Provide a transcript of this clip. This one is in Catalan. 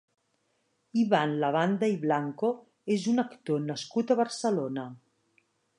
Ivan Labanda i Blanco és un actor nascut a Barcelona.